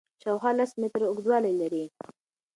شاوخوا لس متره اوږدوالی لري.